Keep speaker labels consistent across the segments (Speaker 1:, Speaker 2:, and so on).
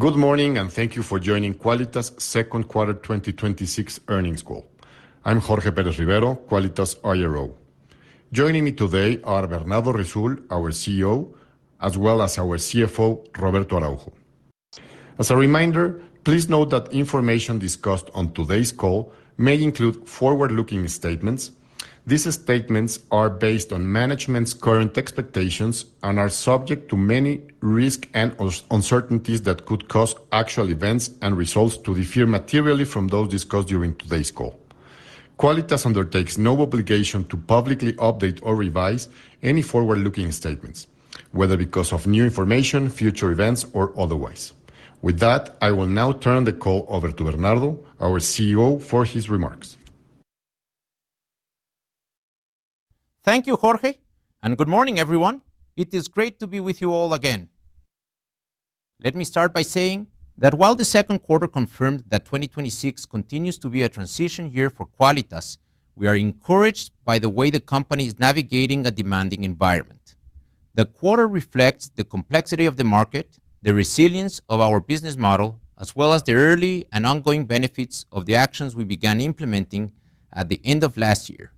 Speaker 1: Good morning, thank you for joining Quálitas' second quarter 2026 earnings call. I'm Jorge Pérez, Quálitas' IRO. Joining me today are Bernardo Risoul Salas, our CEO, as well as our CFO, Roberto Araujo Balderas. As a reminder, please note that information discussed on today's call may include forward-looking statements. These statements are based on management's current expectations and are subject to many risks and uncertainties that could cause actual events and results to differ materially from those discussed during today's call. Quálitas undertakes no obligation to publicly update or revise any forward-looking statements, whether because of new information, future events, or otherwise. I will now turn the call over to Bernardo, our CEO, for his remarks.
Speaker 2: Thank you, Jorge, good morning, everyone. It is great to be with you all again. Let me start by saying that while the second quarter confirmed that 2026 continues to be a transition year for Quálitas, we are encouraged by the way the company is navigating a demanding environment. The quarter reflects the complexity of the market, the resilience of our business model, as well as the early and ongoing benefits of the actions we began implementing at the end of last year.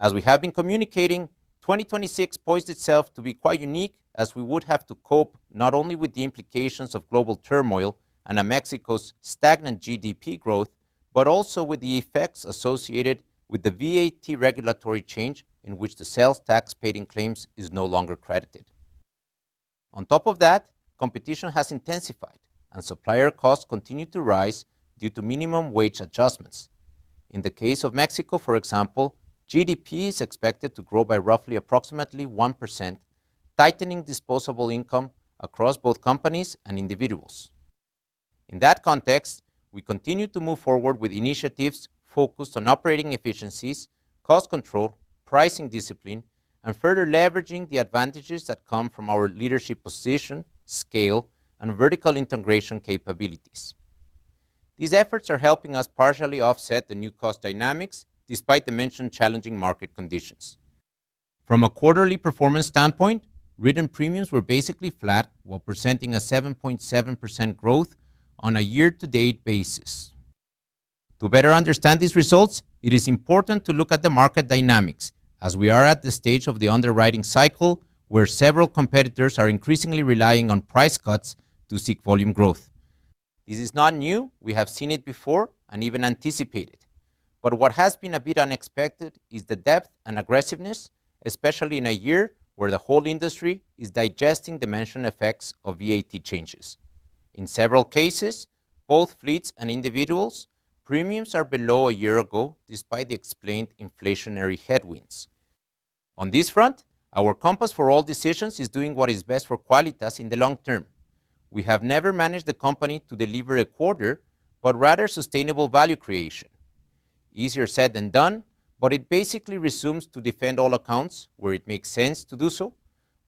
Speaker 2: As we have been communicating, 2026 poised itself to be quite unique as we would have to cope not only with the implications of global turmoil and Mexico's stagnant GDP growth, but also with the effects associated with the VAT regulatory change in which the sales tax paid in claims is no longer credited. Competition has intensified, and supplier costs continue to rise due to minimum wage adjustments. In the case of Mexico, for example, GDP is expected to grow by approximately 1%, tightening disposable income across both companies and individuals. We continue to move forward with initiatives focused on operating efficiencies, cost control, pricing discipline, and further leveraging the advantages that come from our leadership position, scale, and vertical integration capabilities. These efforts are helping us partially offset the new cost dynamics despite the mentioned challenging market conditions. Written premiums were basically flat while presenting a 7.7% growth on a year-to-date basis. It is important to look at the market dynamics as we are at the stage of the underwriting cycle where several competitors are increasingly relying on price cuts to seek volume growth. This is not new. What has been a bit unexpected is the depth and aggressiveness, especially in a year where the whole industry is digesting the mentioned effects of VAT changes. In several cases, both fleets and individuals, premiums are below a year ago despite the explained inflationary headwinds. Our compass for all decisions is doing what is best for Quálitas in the long term. We have never managed the company to deliver a quarter, but rather sustainable value creation. Easier said than done, it basically resolves to defend all accounts where it makes sense to do so,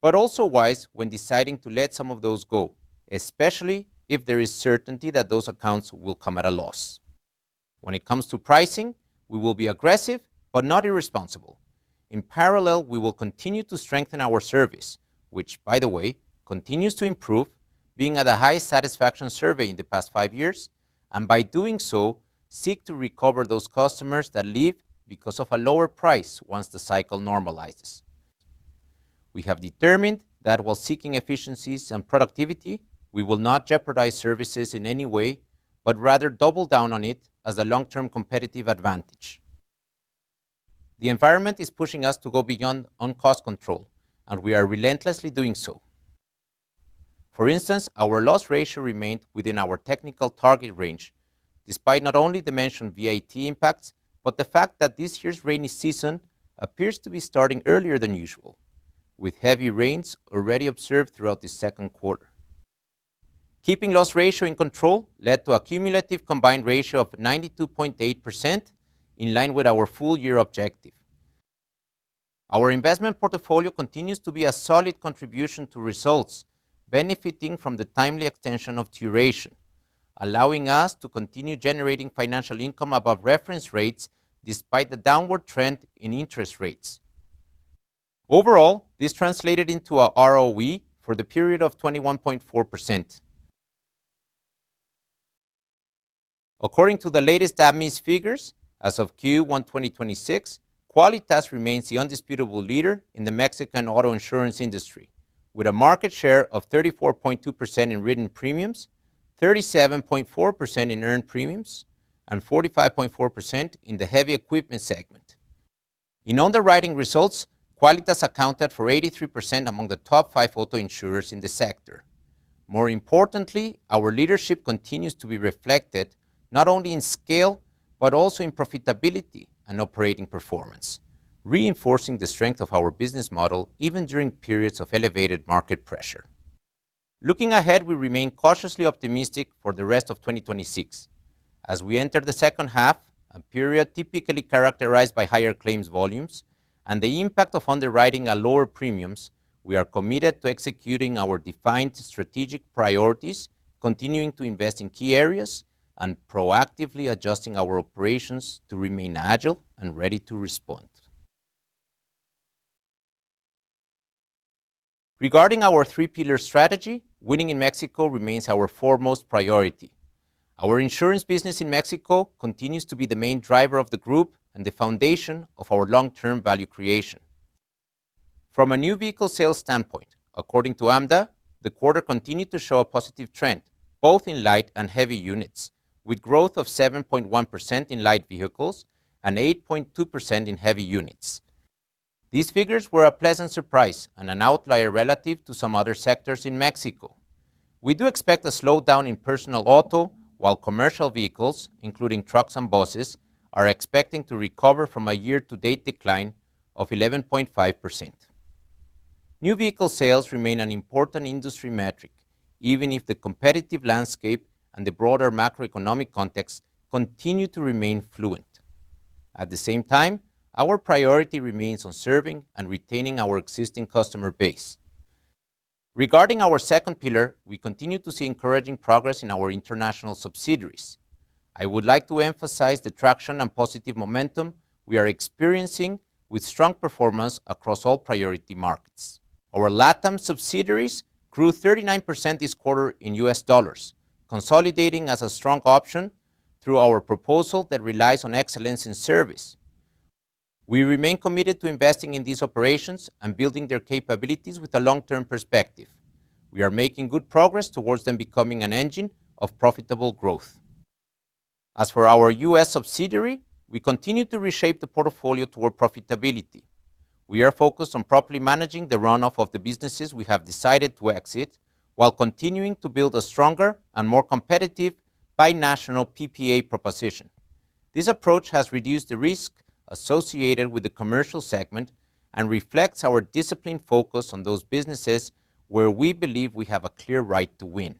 Speaker 2: but also wise when deciding to let some of those go, especially if there is certainty that those accounts will come at a loss. When it comes to pricing, we will be aggressive but not irresponsible. In parallel, we will continue to strengthen our service, which by the way, continues to improve being at a high satisfaction survey in the past five years, and by doing so, seek to recover those customers that leave because of a lower price once the cycle normalizes. We have determined that while seeking efficiencies and productivity, we will not jeopardize services in any way, but rather double down on it as a long-term competitive advantage. The environment is pushing us to go beyond on cost control, and we are relentlessly doing so. For instance, our loss ratio remained within our technical target range, despite not only the mentioned VAT impacts, but the fact that this year's rainy season appears to be starting earlier than usual, with heavy rains already observed throughout the second quarter. Keeping loss ratio in control led to a cumulative combined ratio of 92.8%, in line with our full-year objective. Our investment portfolio continues to be a solid contribution to results, benefiting from the timely extension of duration, allowing us to continue generating financial income above reference rates despite the downward trend in interest rates. Overall, this translated into our ROE for the period of 21.4%. According to the latest AMIS figures, as of Q1 2026, Quálitas remains the undisputable leader in the Mexican auto insurance industry, with a market share of 34.2% in written premiums, 37.4% in earned premiums, and 45.4% in the heavy equipment segment. In underwriting results, Quálitas accounted for 83% among the top five auto insurers in the sector. More importantly, our leadership continues to be reflected not only in scale, but also in profitability and operating performance, reinforcing the strength of our business model even during periods of elevated market pressure. Looking ahead, we remain cautiously optimistic for the rest of 2026 as we enter the second half, a period typically characterized by higher claims volumes, and the impact of underwriting at lower premiums, we are committed to executing our defined strategic priorities, continuing to invest in key areas and proactively adjusting our operations to remain agile and ready to respond. Regarding our three-pillar strategy, winning in Mexico remains our foremost priority. Our insurance business in Mexico continues to be the main driver of the group and the foundation of our long-term value creation. From a new vehicle sales standpoint, according to AMDA, the quarter continued to show a positive trend, both in light and heavy units, with growth of 7.1% in light vehicles and 8.2% in heavy units. These figures were a pleasant surprise and an outlier relative to some other sectors in Mexico. We do expect a slowdown in personal auto, while commercial vehicles, including trucks and buses, are expecting to recover from a year-to-date decline of 11.5%. New vehicle sales remain an important industry metric, even if the competitive landscape and the broader macroeconomic context continue to remain fluid. At the same time, our priority remains on serving and retaining our existing customer base. Regarding our second pillar, we continue to see encouraging progress in our international subsidiaries. I would like to emphasize the traction and positive momentum we are experiencing with strong performance across all priority markets. Our LATAM subsidiaries grew 39% this quarter in U.S. dollars, consolidating as a strong option through our proposal that relies on excellence in service. We remain committed to investing in these operations and building their capabilities with a long-term perspective. We are making good progress towards them becoming an engine of profitable growth. As for our U.S. subsidiary, we continue to reshape the portfolio toward profitability. We are focused on properly managing the runoff of the businesses we have decided to exit, while continuing to build a stronger and more competitive binational PPA proposition. This approach has reduced the risk associated with the commercial segment and reflects our disciplined focus on those businesses where we believe we have a clear right to win.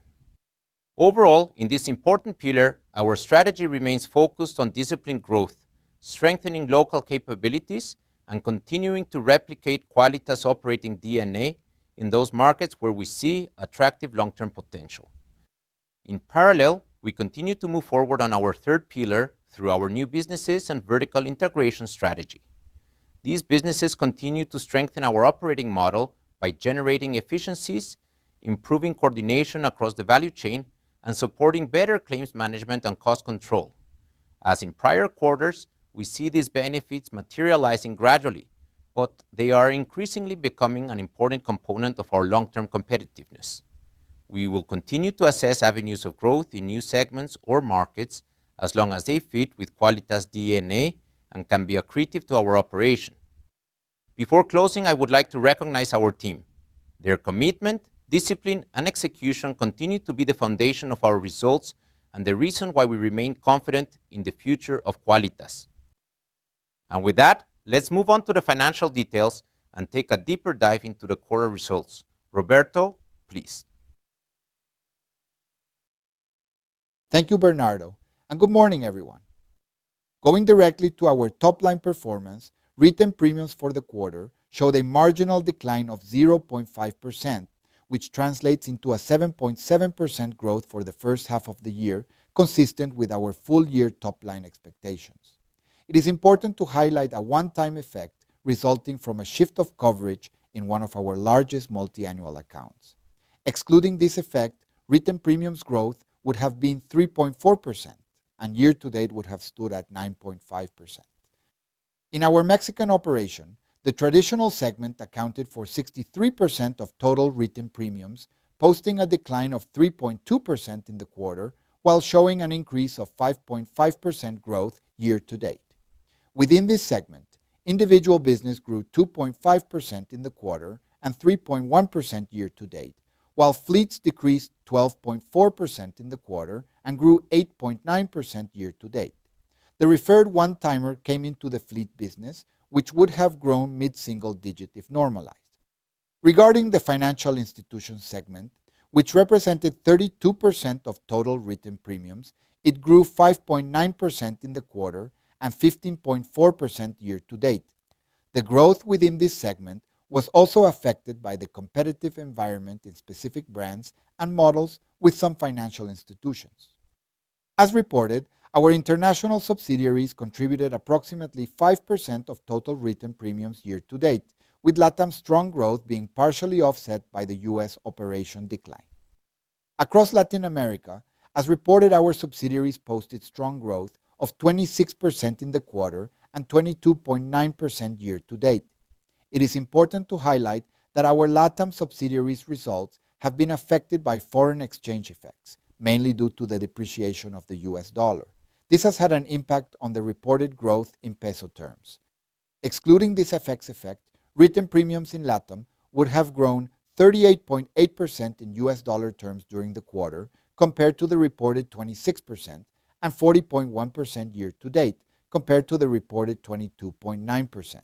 Speaker 2: Overall, in this important pillar, our strategy remains focused on disciplined growth, strengthening local capabilities, and continuing to replicate Quálitas operating DNA in those markets where we see attractive long-term potential. In parallel, we continue to move forward on our third pillar through our new businesses and vertical integration strategy. These businesses continue to strengthen our operating model by generating efficiencies, improving coordination across the value chain, and supporting better claims management and cost control. As in prior quarters, we see these benefits materializing gradually, but they are increasingly becoming an important component of our long-term competitiveness. We will continue to assess avenues of growth in new segments or markets as long as they fit with Quálitas DNA and can be accretive to our operation. Before closing, I would like to recognize our team. Their commitment, discipline, and execution continue to be the foundation of our results and the reason why we remain confident in the future of Quálitas. With that, let's move on to the financial details and take a deeper dive into the quarter results. Roberto, please.
Speaker 3: Thank you, Bernardo. Good morning, everyone. Going directly to our top-line performance, written premiums for the quarter showed a marginal decline of 0.5%, which translates into a 7.7% growth for the first half of the year, consistent with our full-year top-line expectations. It is important to highlight a one-time effect resulting from a shift of coverage in one of our largest multi-annual accounts. Excluding this effect, written premiums growth would have been 3.4%, and year-to-date would have stood at 9.5%. In our Mexican operation, the traditional segment accounted for 63% of total written premiums, posting a decline of 3.2% in the quarter, while showing an increase of 5.5% growth year-to-date. Within this segment, individual business grew 2.5% in the quarter and 3.1% year-to-date, while fleets decreased 12.4% in the quarter and grew 8.9% year-to-date. The referred one-timer came into the fleet business, which would have grown mid-single-digit if normalized. Regarding the financial institution segment, which represented 32% of total written premiums, it grew 5.9% in the quarter and 15.4% year to date. The growth within this segment was also affected by the competitive environment in specific brands and models with some financial institutions. As reported, our international subsidiaries contributed approximately 5% of total written premiums year-to-date, with LATAM's strong growth being partially offset by the U.S. operation decline. Across Latin America, as reported, our subsidiaries posted strong growth of 26% in the quarter and 22.9% year to date. It is important to highlight that our LATAM subsidiaries results have been affected by foreign exchange effects, mainly due to the depreciation of the U.S. dollar. This has had an impact on the reported growth in MXN terms. Excluding this FX effect, written premiums in LATAM would have grown 38.8% in U.S. dollar terms during the quarter compared to the reported 26%, and 40.1% year-to-date compared to the reported 22.9%.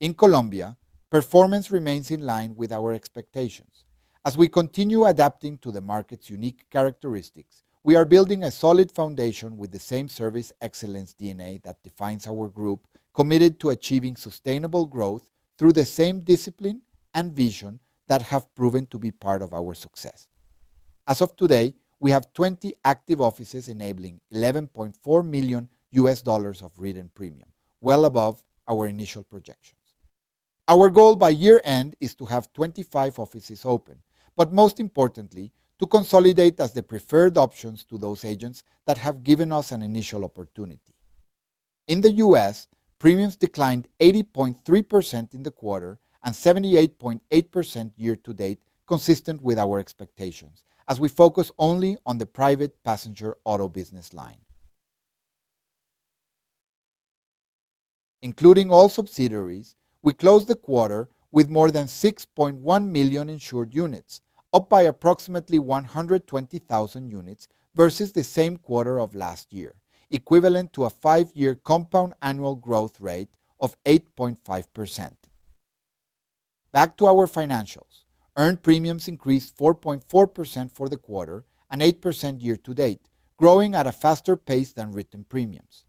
Speaker 3: In Colombia, performance remains in line with our expectations. As we continue adapting to the market's unique characteristics, we are building a solid foundation with the same service excellence DNA that defines our group, committed to achieving sustainable growth through the same discipline and vision that have proven to be part of our success. As of today, we have 20 active offices enabling $11.4 million of written premium, well above our initial projections. Most importantly, our goal by year-end is to have 25 offices open, to consolidate as the preferred options to those agents that have given us an initial opportunity. In the U.S., premiums declined 80.3% in the quarter and 78.8% year to date, consistent with our expectations, as we focus only on the private passenger auto business line. Including all subsidiaries, we closed the quarter with more than 6.1 million insured units, up by approximately 120,000 units versus the same quarter of last year, equivalent to a five-year compound annual growth rate of 8.5%. Back to our financials. Earned premiums increased 4.4% for the quarter and 8% year to date, growing at a faster pace than written premiums.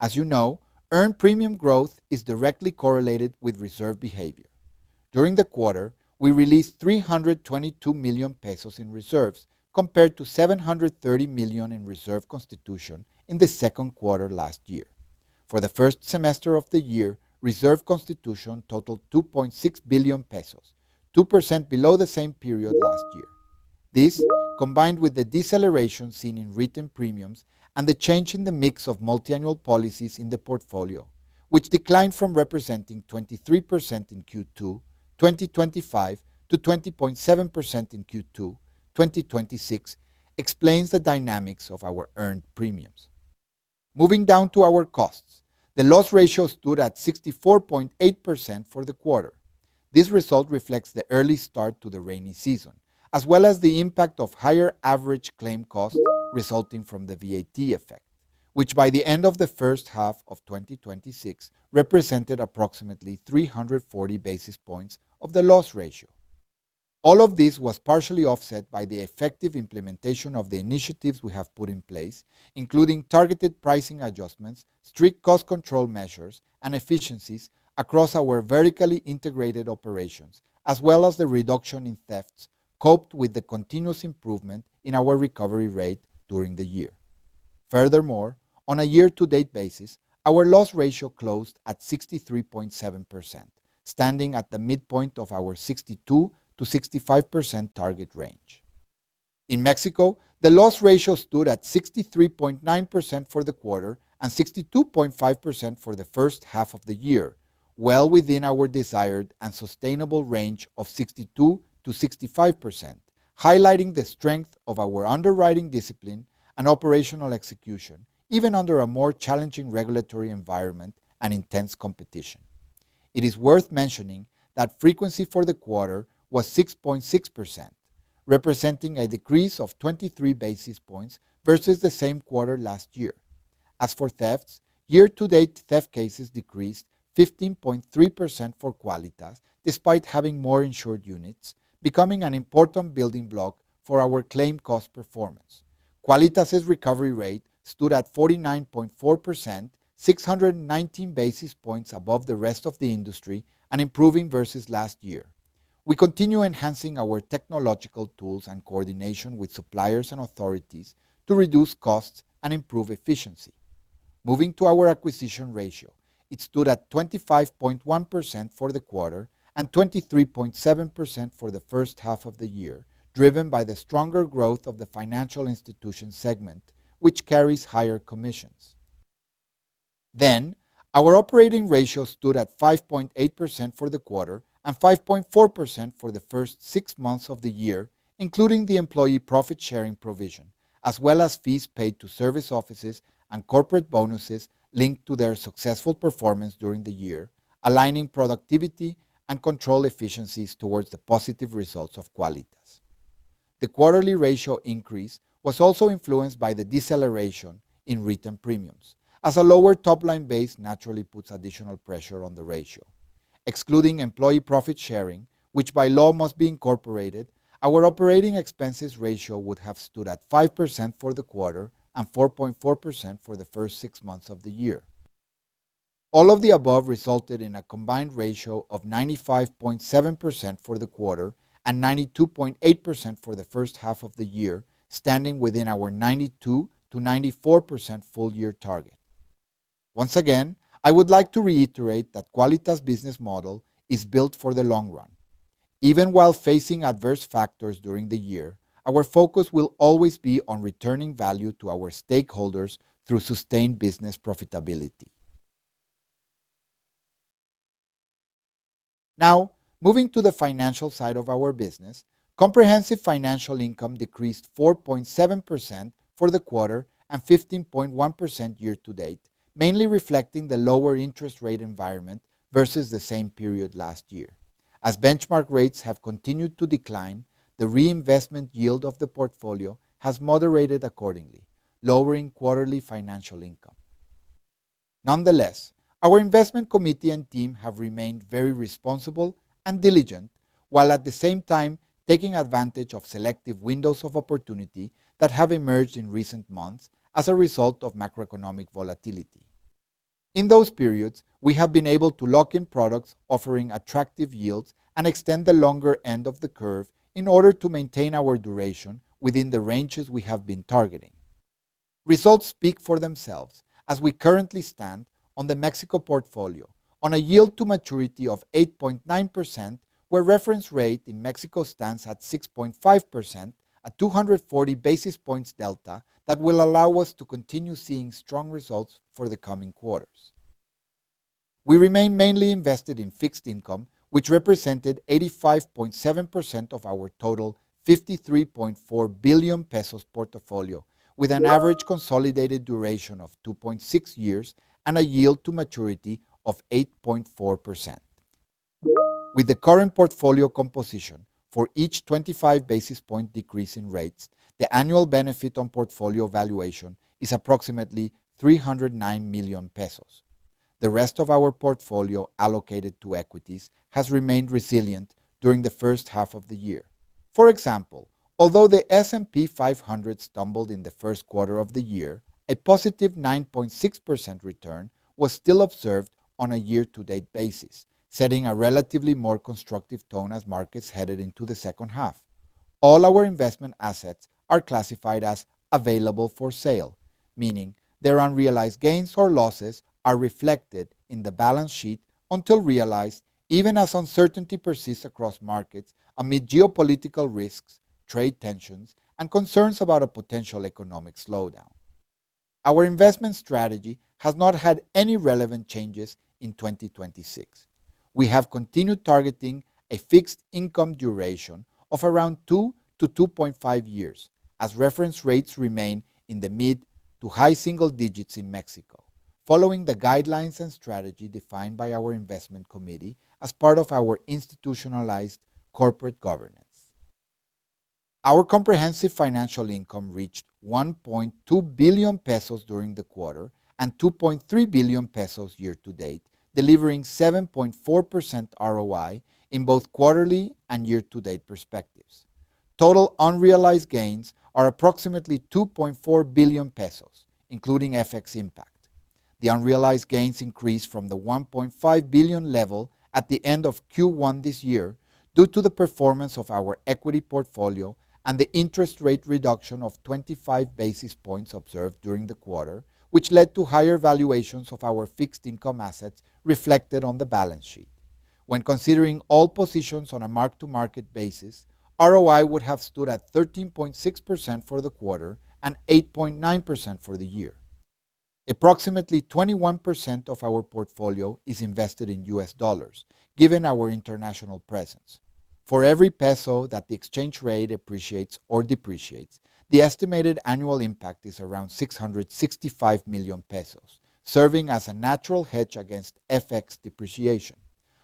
Speaker 3: As you know, earned premium growth is directly correlated with reserve behavior. During the quarter, we released 322 million pesos in reserves, compared to 730 million in reserve constitution in the second quarter last year. For the first semester of the year, reserve constitution totaled 2.6 billion pesos, 2% below the same period last year. This, combined with the deceleration seen in written premiums and the change in the mix of multi-annual policies in the portfolio, which declined from representing 23% in Q2 2025 to 20.7% in Q2 2026, explains the dynamics of our earned premiums. Moving down to our costs, the loss ratio stood at 64.8% for the quarter. This result reflects the early start to the rainy season, as well as the impact of higher average claim costs resulting from the VAT effect, which by the end of the first half of 2026 represented approximately 340 basis points of the loss ratio. All of this was partially offset by the effective implementation of the initiatives we have put in place, including targeted pricing adjustments, strict cost control measures, and efficiencies across our vertically integrated operations, as well as the reduction in thefts coped with the continuous improvement in our recovery rate during the year. Furthermore, on a year-to-date basis, our loss ratio closed at 63.7%, standing at the midpoint of our 62%-65% target range. In Mexico, the loss ratio stood at 63.9% for the quarter and 62.5% for the first half of the year, well within our desired and sustainable range of 62%-65%, highlighting the strength of our underwriting discipline and operational execution, even under a more challenging regulatory environment and intense competition. It is worth mentioning that frequency for the quarter was 6.6%, representing a decrease of 23 basis points versus the same quarter last year. As for thefts, year-to-date theft cases decreased 15.3% for Quálitas despite having more insured units, becoming an important building block for our claim cost performance. Quálitas' recovery rate stood at 49.4%, 619 basis points above the rest of the industry, and improving versus last year. We continue enhancing our technological tools and coordination with suppliers and authorities to reduce costs and improve efficiency. Moving to our acquisition ratio, it stood at 25.1% for the quarter and 23.7% for the first half of the year, driven by the stronger growth of the financial institution segment, which carries higher commissions. Our operating ratio stood at 5.8% for the quarter and 5.4% for the first six months of the year, including the employee profit-sharing provision, as well as fees paid to service offices and corporate bonuses linked to their successful performance during the year, aligning productivity and control efficiencies towards the positive results of Quálitas. The quarterly ratio increase was also influenced by the deceleration in written premiums, as a lower top-line base naturally puts additional pressure on the ratio. Excluding employee profit sharing, which by law must be incorporated, our operating expenses ratio would have stood at 5% for the quarter and 4.4% for the first six months of the year. All of the above resulted in a combined ratio of 95.7% for the quarter and 92.8% for the first half of the year, standing within our 92%-94% full year target. Once again, I would like to reiterate that Quálitas' business model is built for the long run. Even while facing adverse factors during the year, our focus will always be on returning value to our stakeholders through sustained business profitability. Now, moving to the financial side of our business, comprehensive financial income decreased 4.7% for the quarter and 15.1% year to date, mainly reflecting the lower interest rate environment versus the same period last year. As benchmark rates have continued to decline, the reinvestment yield of the portfolio has moderated accordingly, lowering quarterly financial income. Nonetheless, our investment committee and team have remained very responsible and diligent, while at the same time, taking advantage of selective windows of opportunity that have emerged in recent months as a result of macroeconomic volatility. In those periods, we have been able to lock in products offering attractive yields and extend the longer end of the curve in order to maintain our duration within the ranges we have been targeting. Results speak for themselves as we currently stand on the Mexico portfolio on a yield to maturity of 8.9%, where reference rate in Mexico stands at 6.5%, a 240-basis-points delta that will allow us to continue seeing strong results for the coming quarters. We remain mainly invested in fixed income, which represented 85.7% of our total 53.4 billion pesos portfolio, with an average consolidated duration of 2.6 years and a yield to maturity of 8.4%. With the current portfolio composition, for each 25-basis-point decrease in rates, the annual benefit on portfolio valuation is approximately 309 million pesos. The rest of our portfolio allocated to equities has remained resilient during the first half of the year. For example, although the S&P 500 stumbled in the first quarter of the year, a positive 9.6% return was still observed on a year-to-date basis, setting a relatively more constructive tone as markets headed into the second half. All our investment assets are classified as available for sale, meaning their unrealized gains or losses are reflected in the balance sheet until realized, even as uncertainty persists across markets amid geopolitical risks, trade tensions, and concerns about a potential economic slowdown. Our investment strategy has not had any relevant changes in 2026. We have continued targeting a fixed income duration of around 2-2.5 years as reference rates remain in the mid to high single digits in Mexico. Following the guidelines and strategy defined by our investment committee as part of our institutionalized corporate governance. Our comprehensive financial income reached 1.2 billion pesos during the quarter and 2.3 billion pesos year-to-date, delivering 7.4% ROI in both quarterly and year-to-date perspectives. Total unrealized gains are approximately 2.4 billion pesos, including FX impact. The unrealized gains increased from the 1.5 billion level at the end of Q1 this year, due to the performance of our equity portfolio and the interest rate reduction of 25 basis points observed during the quarter, which led to higher valuations of our fixed income assets reflected on the balance sheet. When considering all positions on a mark-to-market basis, ROI would have stood at 13.6% for the quarter and 8.9% for the year. Approximately 21% of our portfolio is invested in U.S. dollars, given our international presence. For every MXN that the exchange rate appreciates or depreciates, the estimated annual impact is around 665 million pesos, serving as a natural hedge against FX depreciation.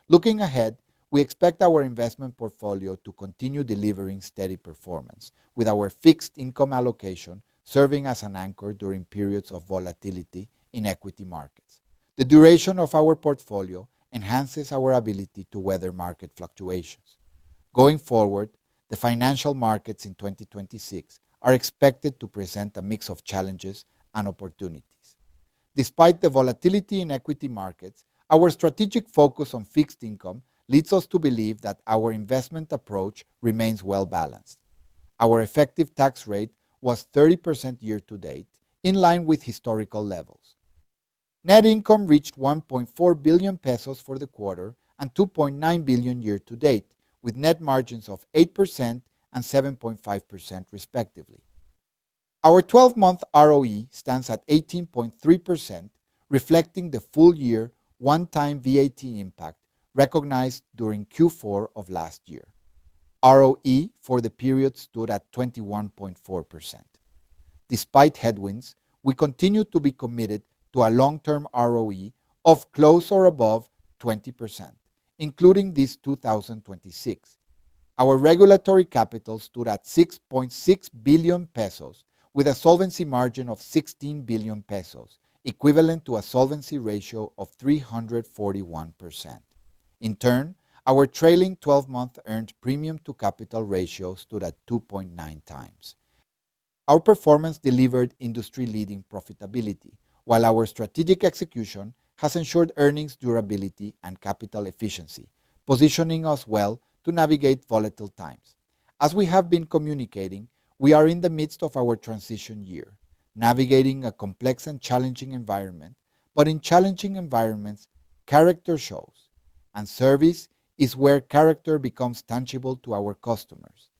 Speaker 3: Looking ahead, we expect our investment portfolio to continue delivering steady performance, with our fixed income allocation serving as an anchor during periods of volatility in equity markets. The duration of our portfolio enhances our ability to weather market fluctuations. Going forward, the financial markets in 2026 are expected to present a mix of challenges and opportunities. Despite the volatility in equity markets, our strategic focus on fixed income leads us to believe that our investment approach remains well-balanced. Our effective tax rate was 30% year-to-date, in line with historical levels. Net income reached 1.4 billion pesos for the quarter and 2.9 billion year-to-date, with net margins of 8% and 7.5%, respectively. Our 12-month ROE stands at 18.3%, reflecting the full-year one-time VAT impact recognized during Q4 of last year. ROE for the period stood at 21.4%. Despite headwinds, we continue to be committed to a long-term ROE of close to or above 20%, including this 2026. Our regulatory capital stood at 6.6 billion pesos, with a solvency margin of 16 billion pesos, equivalent to a solvency ratio of 341%. In turn, our trailing 12-month earned premium to capital ratio stood at 2.9x. Our performance delivered industry-leading profitability, while our strategic execution has ensured earnings durability and capital efficiency, positioning us well to navigate volatile times. As we have been communicating, we are in the midst of our transition year, navigating a complex and challenging environment. In challenging environments, character shows, and service is where character becomes tangible to our customers.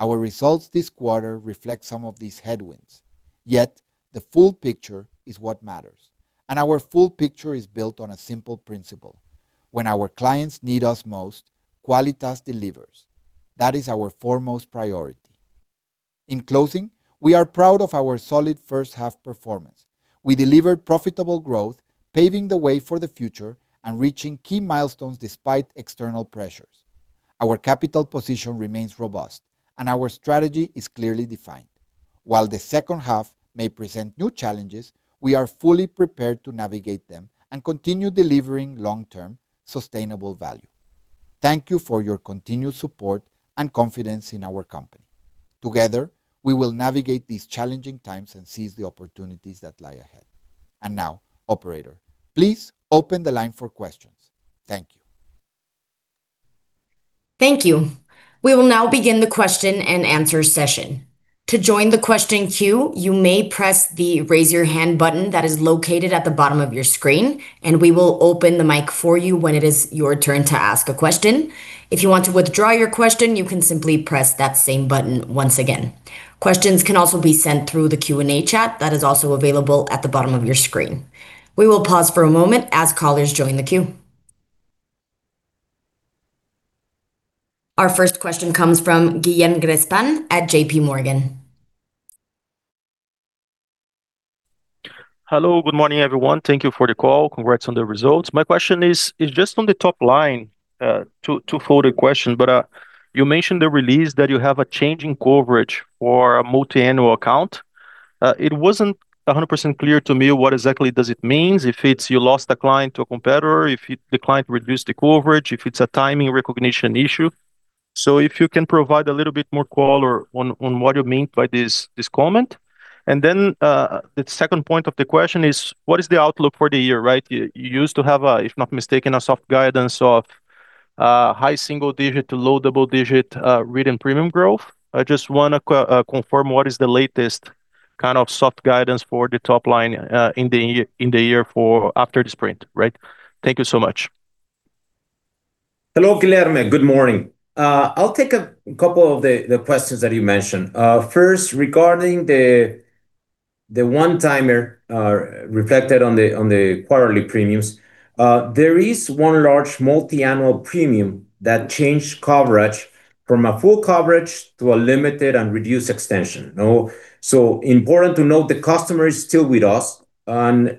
Speaker 3: Our results this quarter reflect some of these headwinds. The full picture is what matters, and our full picture is built on a simple principle: When our clients need us most, Quálitas delivers. That is our foremost priority. In closing, we are proud of our solid first half performance. We delivered profitable growth, paving the way for the future and reaching key milestones despite external pressures. Our capital position remains robust, and our strategy is clearly defined. While the second half may present new challenges, we are fully prepared to navigate them and continue delivering long-term sustainable value. Thank you for your continued support and confidence in our company. Together, we will navigate these challenging times and seize the opportunities that lie ahead. Now, operator, please open the line for questions. Thank you.
Speaker 4: Thank you. We will now begin the question and answer session. To join the question queue, you may press the Raise Your Hand button that is located at the bottom of your screen, and we will open the mic for you when it is your turn to ask a question. If you want to withdraw your question, you can simply press that same button once again. Questions can also be sent through the Q&A chat that is also available at the bottom of your screen. We will pause for a moment as callers join the queue. Our first question comes from Guilherme Grespan at JPMorgan.
Speaker 5: Hello, good morning, everyone. Thank you for the call. Congrats on the results. My question is just on the top line, two-fold question. You mentioned the release that you have a change in coverage for a multi-annual account. It wasn't 100% clear to me what exactly does it means, if it's you lost a client to a competitor, or if the client reduced the coverage, if it's a timing recognition issue. If you can provide a little bit more color on what you mean by this comment. The second point of the question is what is the outlook for the year, right? You used to have, if I'm not mistaken, a soft guidance of high single digit to low double-digit written premium growth. I just want to confirm what is the latest kind of soft guidance for the top line in the year for after this sprint, right? Thank you so much.
Speaker 2: Hello, Guilherme. Good morning. I'll take a couple of the questions that you mentioned. First, regarding the one-timer reflected on the quarterly premiums. There is one large multi-annual premium that changed coverage from a full coverage to a limited and reduced extension. Important to note, the customer is still with us.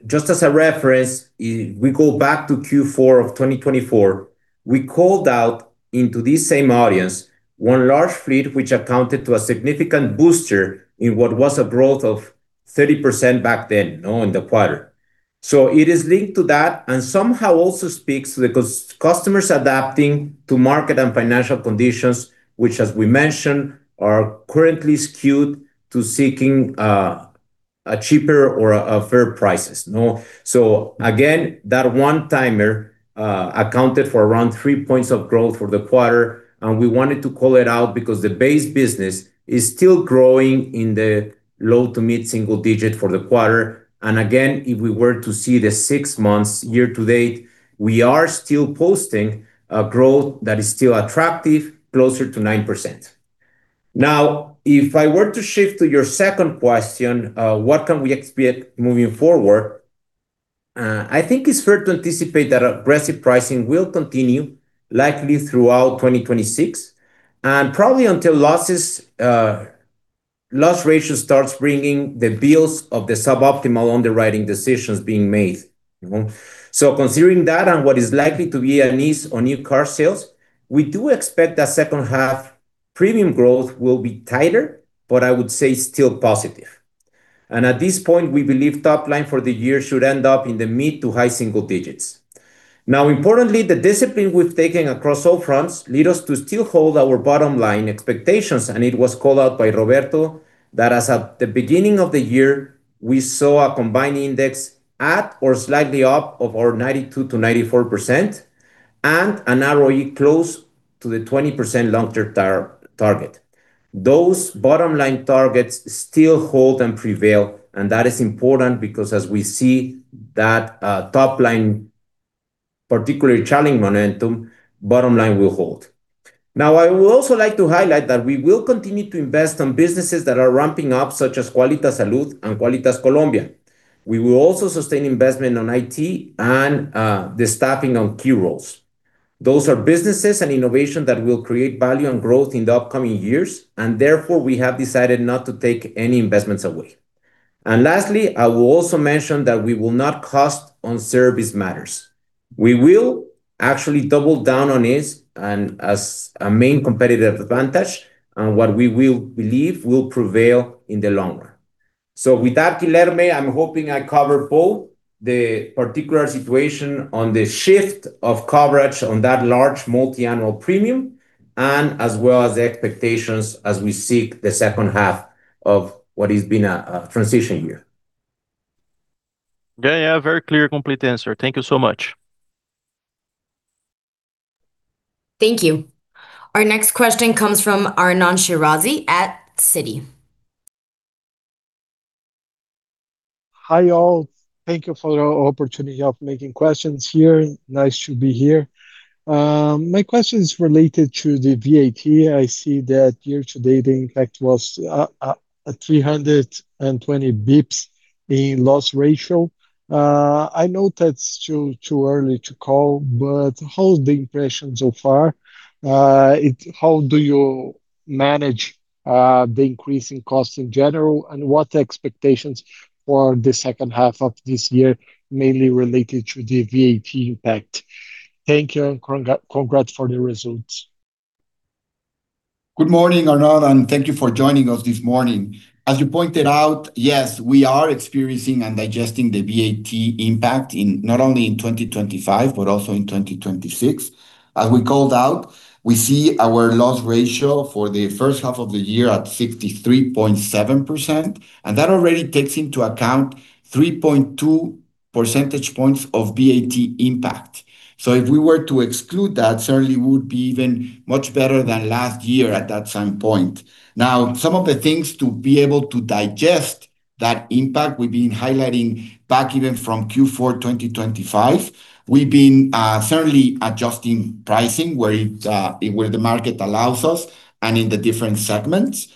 Speaker 2: Just as a reference, we go back to Q4 of 2024, we called out into this same audience, one large fleet, which accounted to a significant booster in what was a growth of 30% back then in the quarter. It is linked to that and somehow also speaks to the customers adapting to market and financial conditions, which, as we mentioned, are currently skewed to seeking cheaper or fair prices. Again, that one-timer accounted for around 3 percentage points of growth for the quarter, and we wanted to call it out because the base business is still growing in the low- to mid-single-digit for the quarter. Again, if we were to see the six months year-to-date, we are still posting a growth that is still attractive, closer to 9%. Now, if I were to shift to your second question, what can we expect moving forward? I think it's fair to anticipate that aggressive pricing will continue, likely throughout 2026, and probably until loss ratio starts bringing the bills of the suboptimal underwriting decisions being made. Considering that and what is likely to be a niche on new car sales, we do expect that second half premium growth will be tighter, but I would say still positive. At this point, we believe top line for the year should end up in the mid to high single digits. Importantly, the discipline we've taken across all fronts lead us to still hold our bottom line expectations, and it was called out by Roberto that as of the beginning of the year, we saw a combined ratio at or slightly up of our 92%-94%, and an ROE close to the 20% long-term target. Those bottom line targets still hold and prevail, and that is important because as we see that top line, particularly challenging momentum, bottom line will hold. I would also like to highlight that we will continue to invest on businesses that are ramping up, such as Quálitas Salud and Quálitas Colombia. We will also sustain investment on IT and the staffing on key roles. Those are businesses and innovation that will create value and growth in the upcoming years. Therefore, we have decided not to take any investments away. Lastly, I will also mention that we will not cost on service matters. We will actually double down on it and as a main competitive advantage, and what we will believe will prevail in the long run. With that, Guilherme, I'm hoping I cover both the particular situation on the shift of coverage on that large multi-annual premium and as well as the expectations as we seek the second half of what has been a transition year.
Speaker 5: Very clear, complete answer. Thank you so much.
Speaker 4: Thank you. Our next question comes from Arnon Shirazi at Citi.
Speaker 6: Hi, all. Thank you for the opportunity of making questions here. Nice to be here. My question is related to the VAT. I see that year-to-date, the impact was at 320 basis points in loss ratio. I know that's too early to call, but how's the impression so far? How do you manage the increase in cost in general, and what are the expectations for the second half of this year, mainly related to the VAT impact? Thank you, and congrats for the results.
Speaker 3: Good morning, Arnon, and thank you for joining us this morning. As you pointed out, yes, we are experiencing and digesting the VAT impact not only in 2025 but also in 2026. As we called out, we see our loss ratio for the first half of the year at 63.7%, and that already takes into account 3.2 percentage points of VAT impact. If we were to exclude that, certainly would be even much better than last year at that same point. Now, some of the things to be able to digest that impact we've been highlighting back even from Q4 2025, we've been certainly adjusting pricing where the market allows us and in the different segments.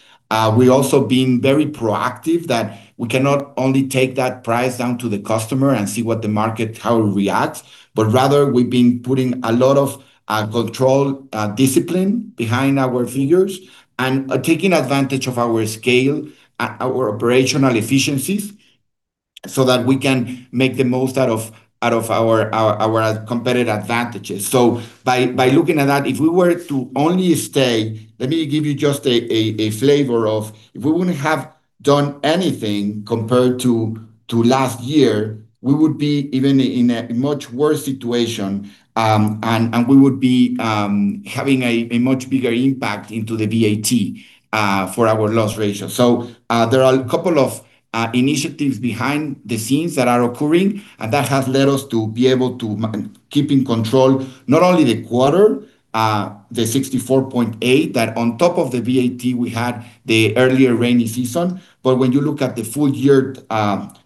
Speaker 3: We've also been very proactive that we cannot only take that price down to the customer and see what the market, how it reacts, but rather we've been putting a lot of control, discipline behind our figures and taking advantage of our scale, our operational efficiencies so that we can make the most out of our competitive advantages. By looking at that, if we were to only stay, let me give you just a flavor of if we wouldn't have done anything compared to last year, we would be even in a much worse situation. We would be having a much bigger impact into the VAT for our loss ratio. There are a couple of initiatives behind the scenes that are occurring, and that has led us to be able to keep in control not only the quarter, the 64.8%, that on top of the VAT, we had the earlier rainy season. When you look at the full year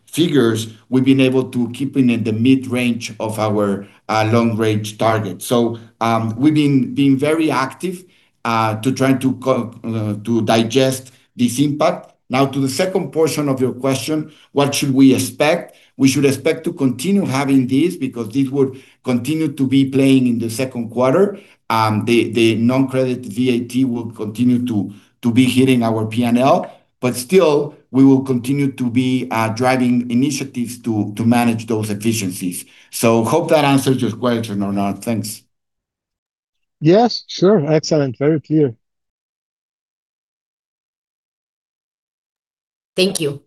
Speaker 3: figures, we've been able to keep it in the mid-range of our long-range target. We've been very active to trying to digest this impact. Now to the second portion of your question, what should we expect? We should expect to continue having this because this would continue to be playing in the second quarter. The non-credit VAT will continue to be hitting our P&L, but still we will continue to be driving initiatives to manage those efficiencies. Hope that answers your question, Arnon. Thanks.
Speaker 6: Yes, sure. Excellent. Very clear.
Speaker 4: Thank you.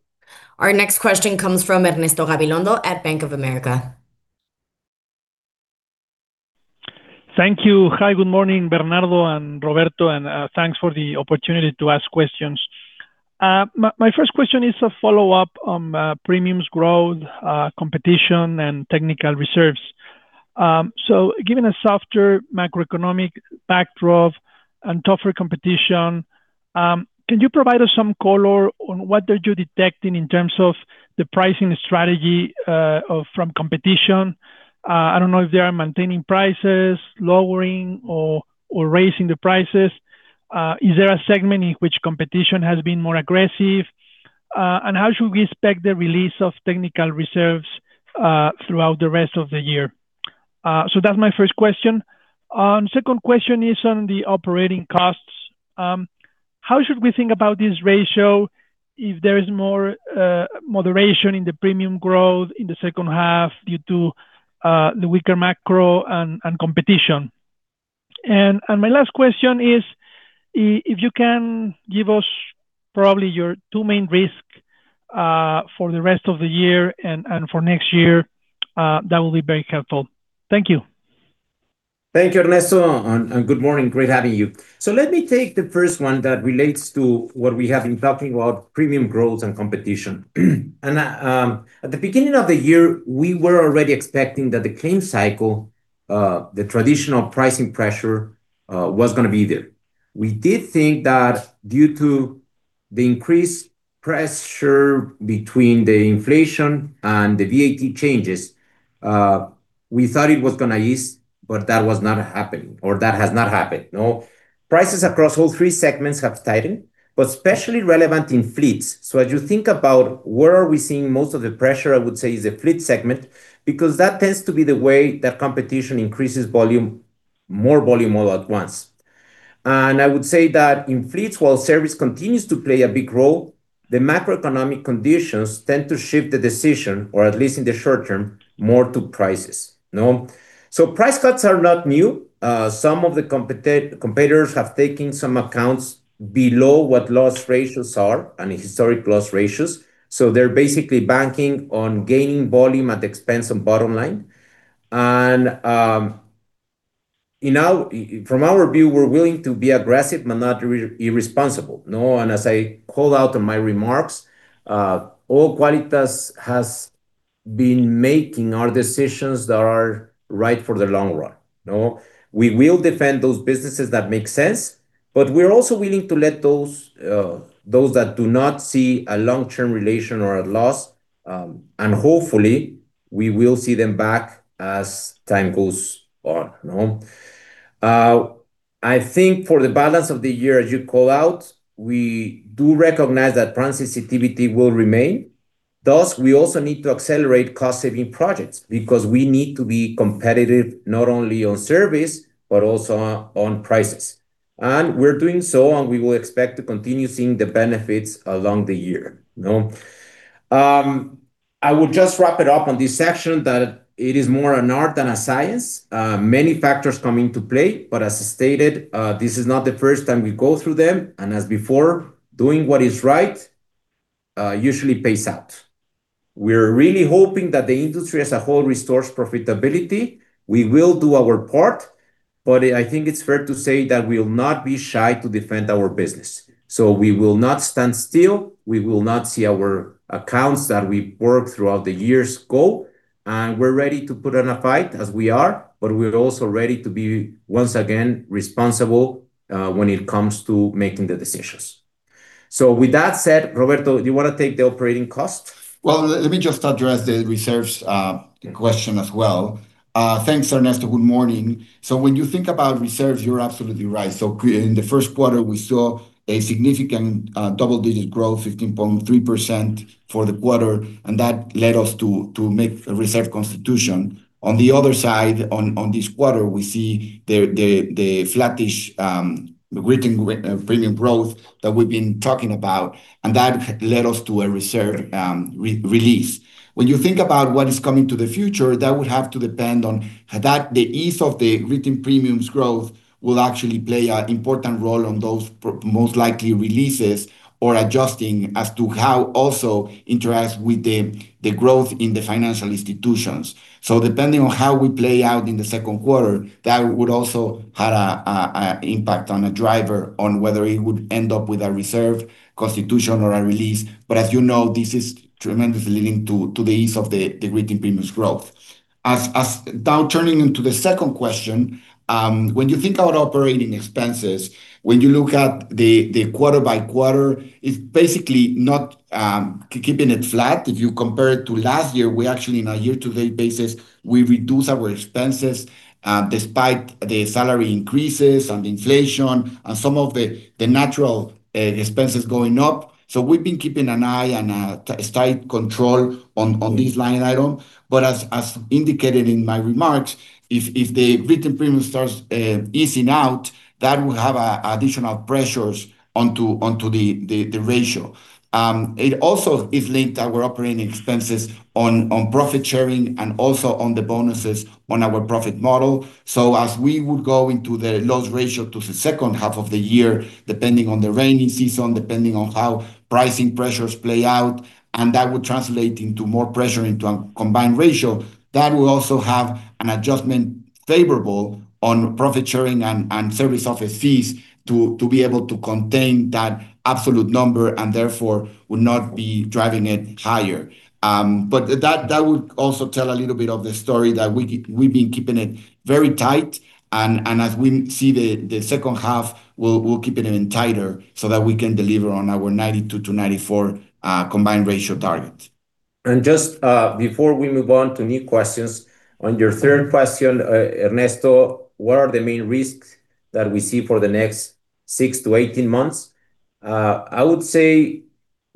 Speaker 4: Our next question comes from Ernesto Gabilondo at Bank of America.
Speaker 7: Thank you. Hi, good morning, Bernardo and Roberto, and thanks for the opportunity to ask questions. My first question is a follow-up on premiums growth, competition, and technical reserves. Given a softer macroeconomic backdrop and tougher competition, can you provide us some color on what are you detecting in terms of the pricing strategy from competition? I don't know if they are maintaining prices, lowering, or raising the prices. Is there a segment in which competition has been more aggressive? How should we expect the release of technical reserves throughout the rest of the year? That's my first question. Second question is on the operating costs. How should we think about this ratio if there is more moderation in the premium growth in the second half due to the weaker macro and competition? My last question is if you can give us probably your two main risks for the rest of the year and for next year, that will be very helpful. Thank you.
Speaker 2: Thank you, Ernesto, and good morning. Great having you. Let me take the first one that relates to what we have been talking about, premium growth and competition. At the beginning of the year, we were already expecting that the claim cycle, the traditional pricing pressure, was going to be there. We did think that due to the increased pressure between the inflation and the VAT changes, we thought it was going to ease, but that was not happening or that has not happened. Prices across all three segments have tightened, but especially relevant in fleets. As you think about where are we seeing most of the pressure, I would say is the fleet segment, because that tends to be the way that competition increases more volume all at once. I would say that in fleets, while service continues to play a big role, the macroeconomic conditions tend to shift the decision, or at least in the short term, more to prices. Price cuts are not new. Some of the competitors have taken some accounts below what loss ratios are and historic loss ratios. They're basically banking on gaining volume at the expense of bottom line. From our view, we're willing to be aggressive but not irresponsible. As I called out in my remarks, all Quálitas has been making are decisions that are right for the long run. We will defend those businesses that make sense, but we're also willing to let those that do not see a long-term relation or a loss, and hopefully we will see them back as time goes on. I think for the balance of the year, as you call out, we do recognize that price sensitivity will remain. Thus, we also need to accelerate cost-saving projects because we need to be competitive not only on service but also on prices. We're doing so, and we will expect to continue seeing the benefits along the year. I will just wrap it up on this section that it is more an art than a science. Many factors come into play, but as stated, this is not the first time we go through them, and as before, doing what is right usually pays out. We're really hoping that the industry as a whole restores profitability. We will do our part, but I think it's fair to say that we will not be shy to defend our business. We will not stand still, we will not see our accounts that we've worked throughout the years go, and we're ready to put in a fight as we are, but we're also ready to be, once again, responsible when it comes to making the decisions. With that said, Roberto, do you want to take the operating cost?
Speaker 3: Let me just address the reserves question as well. Thanks, Ernesto. Good morning. When you think about reserves, you're absolutely right. In the first quarter, we saw a significant double-digit growth, 15.3% for the quarter, and that led us to make a reserve constitution. On the other side, on this quarter, we see the flattish written premium growth that we've been talking about, and that led us to a reserve release. When you think about what is coming to the future, that would have to depend on the ease of the written premiums growth will actually play an important role on those most likely releases or adjusting as to how also interacts with the growth in the financial institutions. Depending on how we play out in the second quarter, that would also have an impact on a driver on whether it would end up with a reserve constitution or a release. As you know, this is tremendously leading to the ease of the written premiums growth. Now turning into the second question, when you think about operating expenses, when you look at the quarter by quarter, it's basically not keeping it flat. If you compare it to last year, we actually in our year-to-date basis, we reduce our expenses, despite the salary increases and inflation and some of the natural expenses going up. We've been keeping an eye and a tight control on this line item. As indicated in my remarks, if the written premium starts easing out, that will have additional pressures onto the ratio. It also is linked to our operating expenses on profit sharing and also on the bonuses on our profit model. As we would go into the loss ratio to the second half of the year, depending on the rainy season, depending on how pricing pressures play out, that would translate into more pressure into a combined ratio. That will also have an adjustment favorable on profit sharing and service office fees to be able to contain that absolute number and therefore would not be driving it higher. That would also tell a little bit of the story that we've been keeping it very tight, and as we see the second half, we'll keep it even tighter so that we can deliver on our 92%-94% combined ratio target.
Speaker 2: Just before we move on to new questions, on your third question, Ernesto, what are the main risks that we see for the next 6-18 months? I would say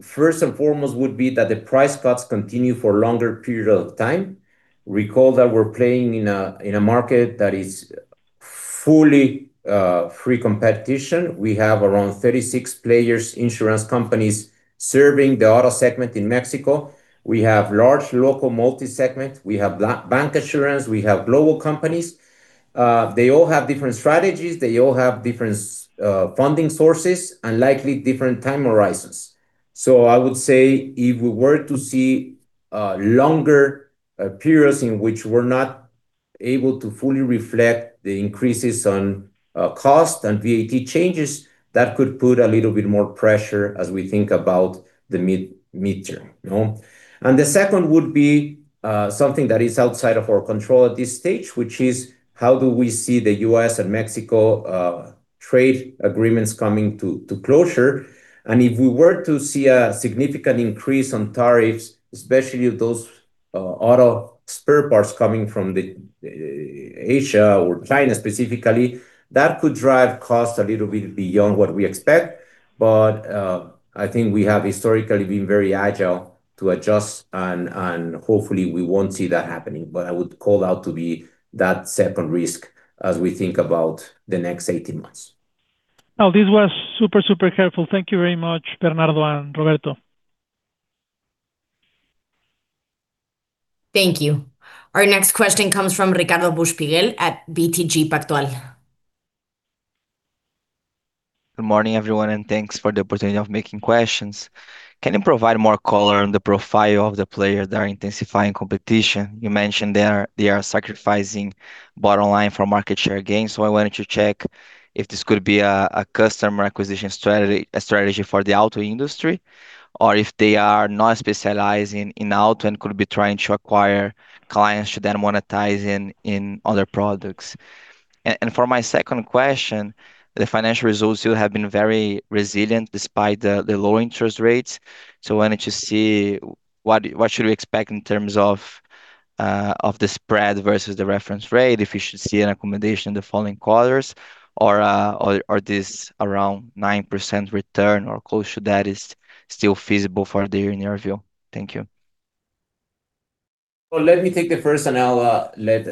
Speaker 2: first and foremost would be that the price cuts continue for a longer period of time. Recall that we're playing in a market that is fully free competition. We have around 36 players, insurance companies, serving the auto segment in Mexico. We have large local multi-segment. We have bank insurance. We have global companies. They all have different strategies. They all have different funding sources and likely different time horizons. I would say if we were to see longer periods in which we're not able to fully reflect the increases on cost and VAT changes, that could put a little bit more pressure as we think about the mid-term. The second would be something that is outside of our control at this stage, which is how do we see the U.S. and Mexico trade agreements coming to closure. If we were to see a significant increase on tariffs, especially those auto spare parts coming from Asia or China specifically, that could drive costs a little bit beyond what we expect. I think we have historically been very agile to adjust and hopefully we won't see that happening. I would call out to be that second risk as we think about the next 18 months.
Speaker 7: No, this was super careful. Thank you very much, Bernardo and Roberto.
Speaker 4: Thank you. Our next question comes from Ricardo Buchpiguel at BTG Pactual.
Speaker 8: Good morning, everyone, Thanks for the opportunity of making questions. Can you provide more color on the profile of the players that are intensifying competition? You mentioned they are sacrificing bottom line for market share gains. I wanted to check if this could be a customer acquisition strategy for the auto industry, or if they are not specializing in auto and could be trying to acquire clients to then monetize in other products. For my second question, the financial results still have been very resilient despite the low interest rates. I wanted to see what should we expect in terms of the spread versus the reference rate if we should see an accommodation in the following quarters or are these around 9% return or close to that is still feasible for the year in your view? Thank you.
Speaker 2: Let me take the first, and I'll let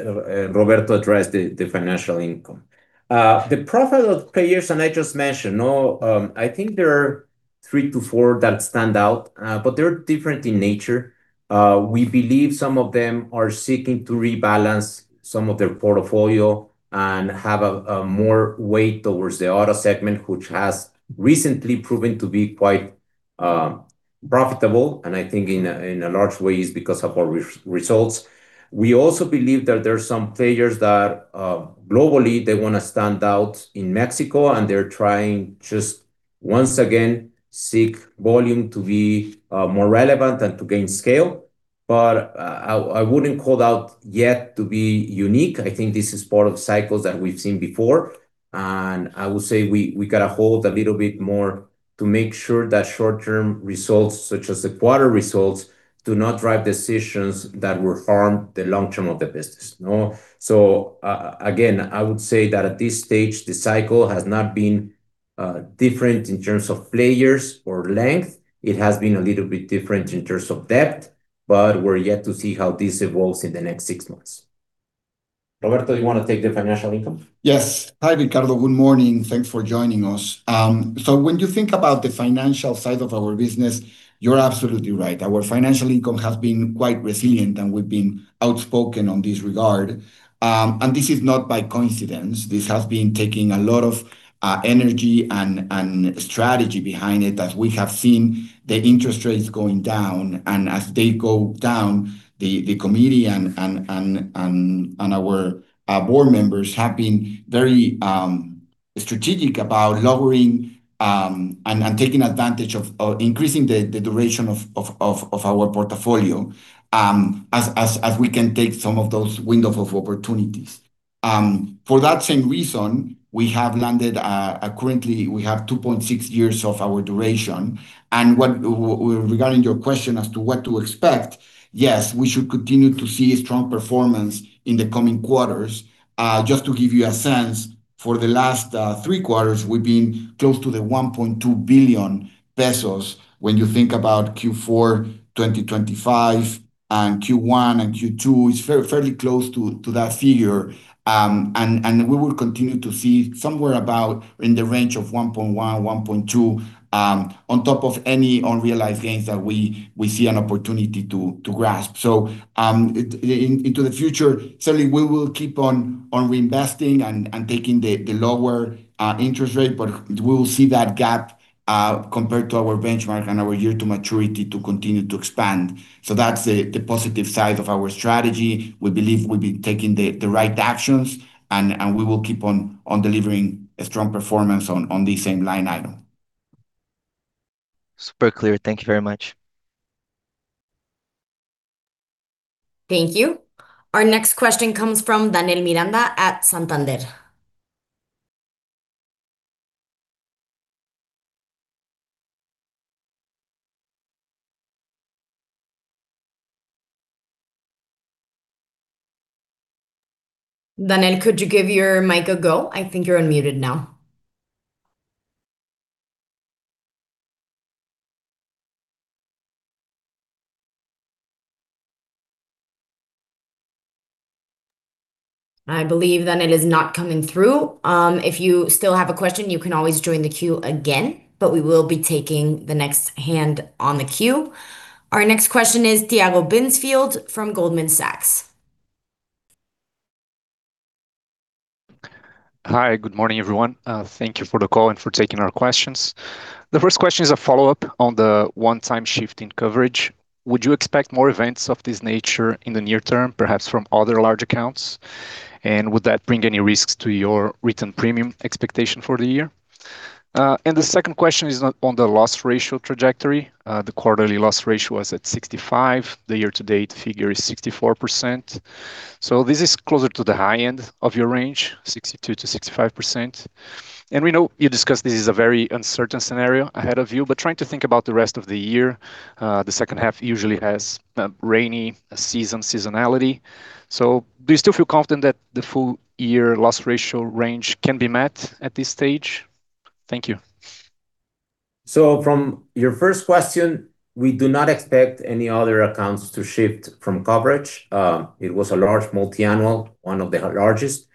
Speaker 2: Roberto address the financial income. The profile of players, and I just mentioned, I think there are three to four that stand out, but they're different in nature. We believe some of them are seeking to rebalance some of their portfolio and have more weight towards the auto segment, which has recently proven to be quite profitable, and I think in a large way is because of our results. We also believe that there's some players that, globally, they want to stand out in Mexico, and they're trying just once again, seek volume to be more relevant and to gain scale. I wouldn't call out yet to be unique. I think this is part of cycles that we've seen before, and I would say we got to hold a little bit more to make sure that short-term results, such as the quarter results, do not drive decisions that will harm the long-term of the business. Again, I would say that at this stage, the cycle has not been different in terms of players or length. It has been a little bit different in terms of depth, but we're yet to see how this evolves in the next six months. Roberto, you want to take the financial income?
Speaker 3: Yes. Hi, Ricardo. Good morning. Thanks for joining us. When you think about the financial side of our business, you're absolutely right. Our financial income has been quite resilient, and we've been outspoken on this regard. This is not by coincidence. This has been taking a lot of energy and strategy behind it, as we have seen the interest rates going down. As they go down, the committee and our board members have been very strategic about lowering and taking advantage of increasing the duration of our portfolio, as we can take some of those window of opportunities. For that same reason, currently we have 2.6 years of our duration. Regarding your question as to what to expect, yes, we should continue to see a strong performance in the coming quarters. Just to give you a sense, for the last three quarters, we've been close to the 1.2 billion pesos. When you think about Q4 2025 and Q1 and Q2, it's fairly close to that figure. We will continue to see somewhere about in the range of 1.1 billion-1.2 billion, on top of any unrealized gains that we see an opportunity to grasp. Into the future, certainly we will keep on reinvesting and taking the lower interest rate, but we'll see that gap compared to our benchmark and our yield to maturity to continue to expand. That's the positive side of our strategy. We believe we'll be taking the right actions, and we will keep on delivering a strong performance on this same line item.
Speaker 8: Super clear. Thank you very much.
Speaker 4: Thank you. Our next question comes from Daniel Miranda at Santander. Daniel, could you give your mic a go? I think you're unmuted now. I believe Daniel is not coming through. If you still have a question, you can always join the queue again, we will be taking the next hand on the queue. Our next question is Tiago Binsfeld from Goldman Sachs.
Speaker 9: Hi. Good morning, everyone. Thank you for the call and for taking our questions. The first question is a follow-up on the one-time shift in coverage. Would you expect more events of this nature in the near term, perhaps from other large accounts? Would that bring any risks to your return premium expectation for the year? The second question is on the loss ratio trajectory. The quarterly loss ratio was at 65%. The year-to-date figure is 64%. This is closer to the high end of your range, 62%-65%. We know you discussed this is a very uncertain scenario ahead of you, trying to think about the rest of the year, the second half usually has a rainy season seasonality. Do you still feel confident that the full year loss ratio range can be met at this stage? Thank you.
Speaker 2: From your first question, we do not expect any other accounts to shift from coverage. It was a large multi-annual, one of the largest.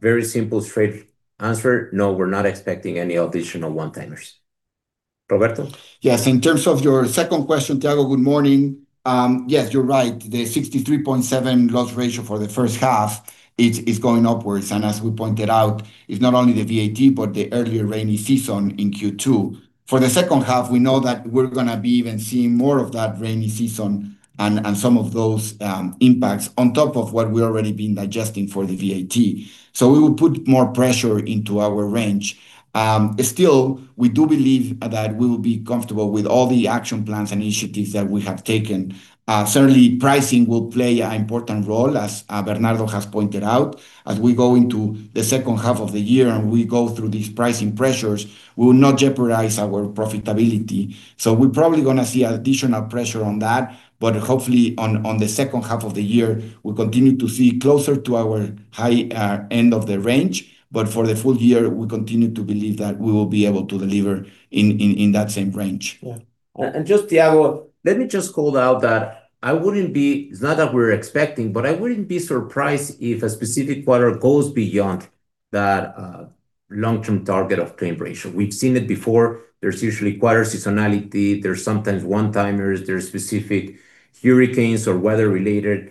Speaker 2: Very simple, straight answer, no, we're not expecting any additional one-timers. Roberto?
Speaker 3: Yes. In terms of your second question, Tiago, good morning. Yes, you're right. The 63.7% loss ratio for the first half is going upwards. As we pointed out, it's not only the VAT, but the earlier rainy season in Q2. For the second half, we know that we're going to be even seeing more of that rainy season and some of those impacts on top of what we've already been digesting for the VAT. We will put more pressure into our range. Still, we do believe that we will be comfortable with all the action plans and initiatives that we have taken. Certainly, pricing will play an important role, as Bernardo has pointed out. As we go into the second half of the year and we go through these pricing pressures, we will not jeopardize our profitability. We're probably going to see additional pressure on that, hopefully on the second half of the year, we'll continue to see closer to our high end of the range. For the full year, we continue to believe that we will be able to deliver in that same range.
Speaker 2: Just, Tiago, let me just call out that it's not that we're expecting, I wouldn't be surprised if a specific quarter goes beyond that long-term target of claim ratio. We've seen it before. There's usually quarter seasonality, there's sometimes one-timers, there's specific hurricanes or weather-related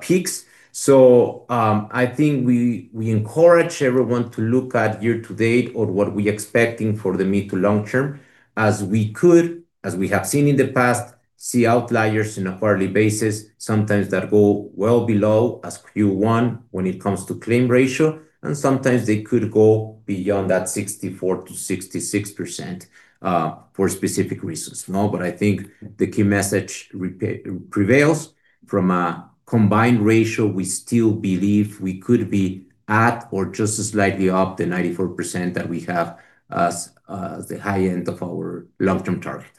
Speaker 2: peaks. I think we encourage everyone to look at year-to-date or what we expecting for the mid-to-long term, as we could, as we have seen in the past, see outliers in a quarterly basis, sometimes that go well below as Q1 when it comes to claim ratio, and sometimes they could go beyond that 64%-66% for specific reasons. I think the key message prevails from a combined ratio, we still believe we could be at or just slightly up the 94% that we have as the high end of our long-term target.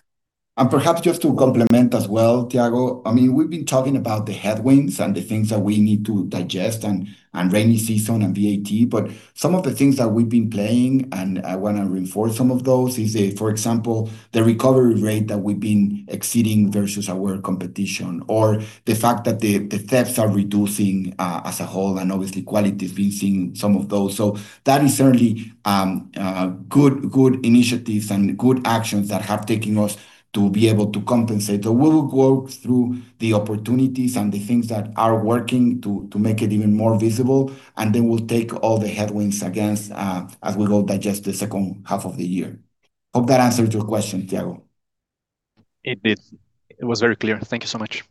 Speaker 3: Perhaps just to complement as well, Tiago, we've been talking about the headwinds and the things that we need to digest and rainy season and VAT, some of the things that we've been planning, and I want to reinforce some of those, is for example, the recovery rate that we've been exceeding versus our competition, or the fact that the thefts are reducing as a whole, and obviously Quálitas is facing some of those. That is certainly good initiatives and good actions that have taken us to be able to compensate. We'll go through the opportunities and the things that are working to make it even more visible, and then we'll take all the headwinds against as we go digest the second half of the year. Hope that answered your question, Tiago.
Speaker 9: It did. It was very clear. Thank you so much.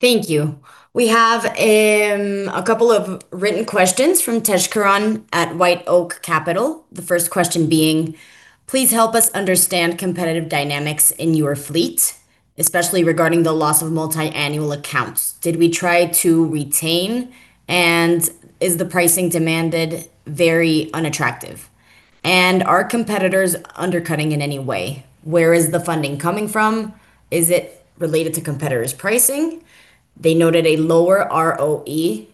Speaker 4: Thank you. We have a couple of written questions from Tej Karan at White Oak Capital. The first question being: Please help us understand competitive dynamics in your fleet, especially regarding the loss of multi-annual accounts. Did we try to retain, is the pricing demanded very unattractive? Are competitors undercutting in any way? Where is the funding coming from? Is it related to competitors' pricing? They noted a lower ROE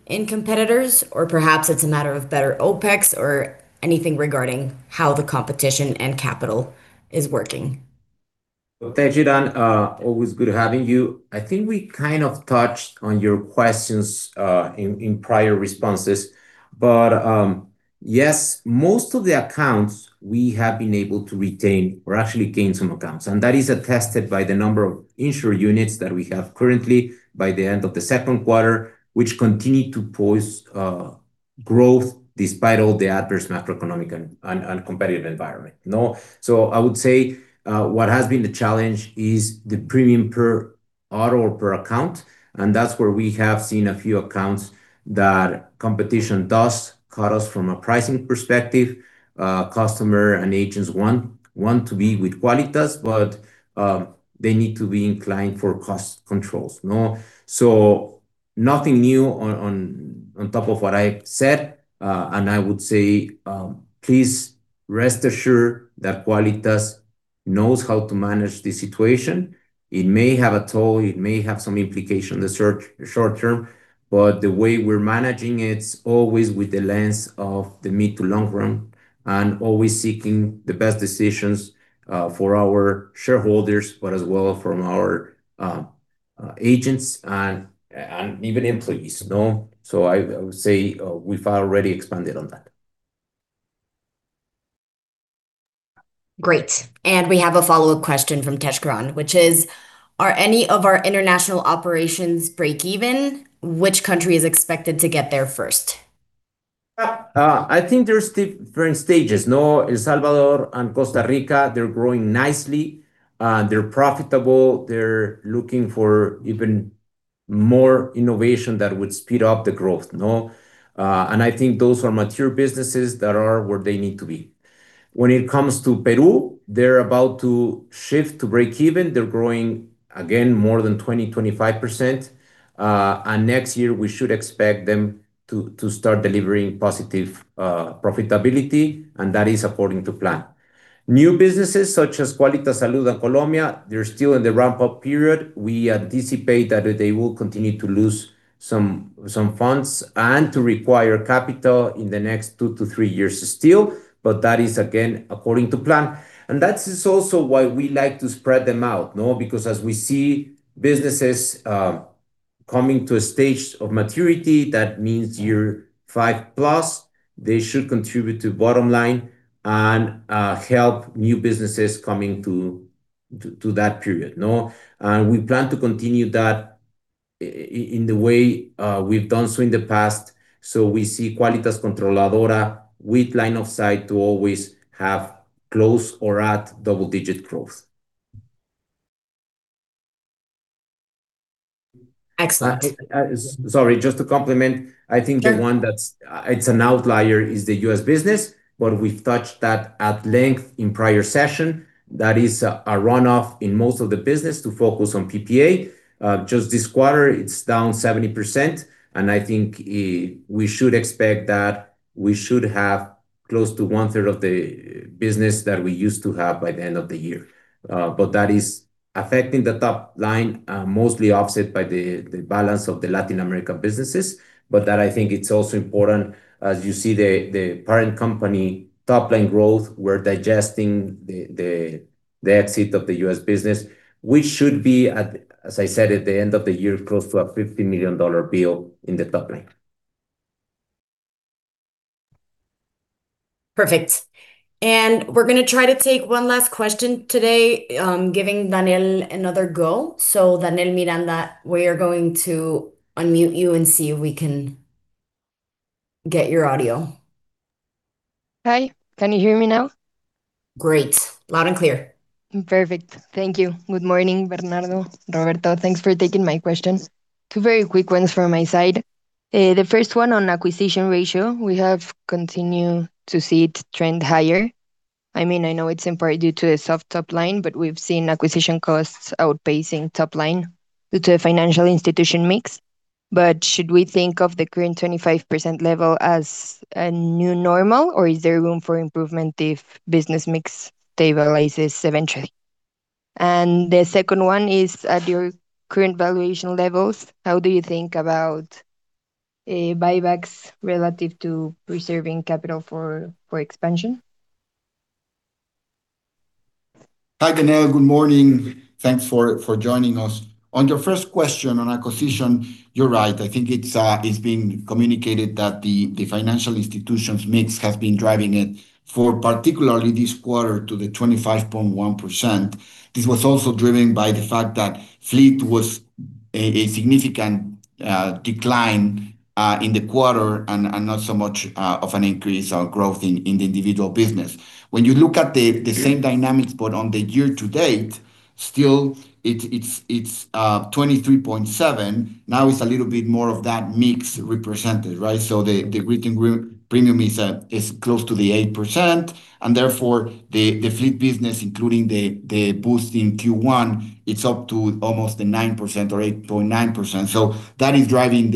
Speaker 4: in competitors, or perhaps it's a matter of better OpEx or anything regarding how the competition and capital is working.
Speaker 2: Well, Tej Karan, always good having you. I think we kind of touched on your questions in prior responses. Yes, most of the accounts we have been able to retain or actually gain some accounts. That is attested by the number of insured units that we have currently by the end of the second quarter, which continue to pose growth despite all the adverse macroeconomic and competitive environment. I would say what has been the challenge is the premium per auto or per account, and that's where we have seen a few accounts that competition does cut us from a pricing perspective. Customer and agents want to be with Quálitas, but they need to be inclined for cost controls. Nothing new on top of what I said. I would say, please rest assured that Quálitas knows how to manage the situation. It may have a toll, it may have some implication in the short term, but the way we're managing, it's always with the lens of the mid to long term, and always seeking the best decisions for our shareholders, but as well from our agents and even employees. I would say we've already expanded on that.
Speaker 4: Great. We have a follow-up question from Tej Karan, which is: Are any of our international operations break even? Which country is expected to get there first?
Speaker 2: I think they're still different stages. El Salvador and Costa Rica, they're growing nicely. They're profitable. They're looking for even more innovation that would speed up the growth. I think those are mature businesses that are where they need to be. When it comes to Peru, they're about to shift to break even. They're growing, again, more than 20%, 25%. Next year we should expect them to start delivering positive profitability, and that is according to plan. New businesses such as Quálitas Salud and Colombia, they're still in the ramp-up period. We anticipate that they will continue to lose some funds and to require capital in the next two to three years still, that is, again, according to plan. That is also why we like to spread them out. Because as we see businesses coming to a stage of maturity, that means year five plus, they should contribute to bottom line and help new businesses coming to that period. We plan to continue that in the way we've done so in the past. We see Quálitas Controladora with line of sight to always have close or at double-digit growth.
Speaker 4: Excellent.
Speaker 2: Sorry, just to complement.
Speaker 4: Sure.
Speaker 2: I think the one that's an outlier is the U.S. business, but we've touched that at length in prior session. That is a runoff in most of the business to focus on PPA. Just this quarter, it's down 70%, and I think we should expect that we should have close to 1/3 of the business that we used to have by the end of the year. That is affecting the top line, mostly offset by the balance of the Latin American businesses. That I think it's also important, as you see the parent company top-line growth, we're digesting the exit of the U.S. business, which should be at, as I said, at the end of the year, close to a MXN 50 million bill in the top line.
Speaker 4: Perfect. We're going to try to take one last question today, giving Daniel another go. Daniel Miranda, we are going to unmute you and see if we can get your audio.
Speaker 10: Hi, can you hear me now?
Speaker 4: Great. Loud and clear.
Speaker 10: Perfect. Thank you. Good morning, Bernardo, Roberto. Thanks for taking my questions. Two very quick ones from my side. The first one on acquisition ratio, we have continued to see it trend higher. I know it's in part due to a soft top line, but we've seen acquisition costs outpacing top line due to a financial institution mix. Should we think of the current 25% level as a new normal, or is there room for improvement if business mix stabilizes eventually? The second one is at your current valuation levels, how do you think about buybacks relative to preserving capital for expansion?
Speaker 3: Hi, Daniel. Good morning. Thanks for joining us. On your first question on acquisition, you're right. I think it's being communicated that the financial institutions mix has been driving it for particularly this quarter to the 25.1%. This was also driven by the fact that fleet was a significant decline in the quarter and not so much of an increase or growth in the individual business. When you look at the same dynamics but on the year-to-date, still it's 23.7%. It's a little bit more of that mix represented, right? The gross written premium is close to the 8%, therefore the fleet business, including the boost in Q1, it's up to almost the 9% or 8.9%. That is driving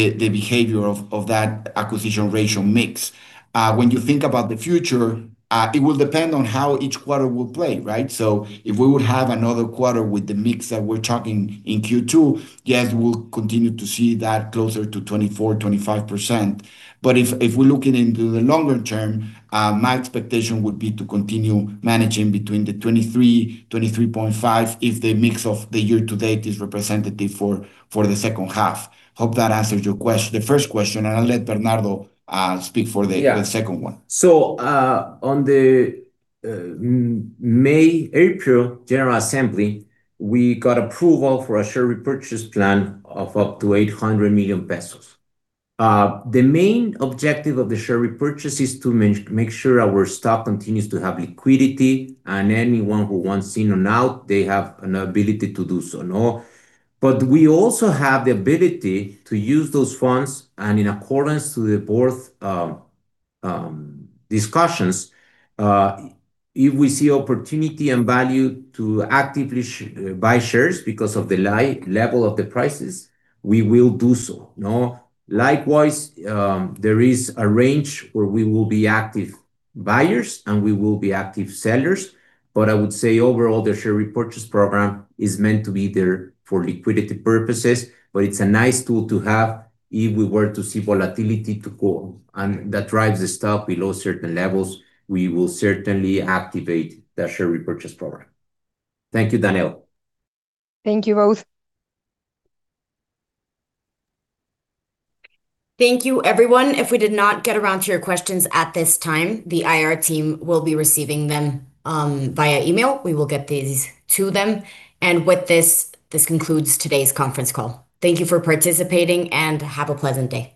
Speaker 3: the behavior of that acquisition ratio mix. When you think about the future, it will depend on how each quarter will play, right? If we would have another quarter with the mix that we're talking in Q2, yes, we'll continue to see that closer to 24%-25%. If we're looking into the longer term, my expectation would be to continue managing between the 23%-23.5%, if the mix of the year-to-date is representative for the second half. Hope that answers the first question, I'll let Bernardo speak for the second one.
Speaker 2: On the May, April general assembly, we got approval for a share repurchase plan of up to 800 million pesos. The main objective of the share repurchase is to make sure our stock continues to have liquidity, anyone who wants in or out, they have an ability to do so. We also have the ability to use those funds, in accordance to the board discussions, if we see opportunity and value to actively buy shares because of the level of the prices, we will do so. Likewise, there is a range where we will be active buyers, we will be active sellers. I would say overall, the share repurchase program is meant to be there for liquidity purposes. It's a nice tool to have if we were to see volatility to go, and that drives the stock below certain levels, we will certainly activate that share repurchase program. Thank you, Daniel.
Speaker 10: Thank you both.
Speaker 4: Thank you, everyone. If we did not get around to your questions at this time, the IR team will be receiving them via email. We will get these to them. With this concludes today's conference call. Thank you for participating, and have a pleasant day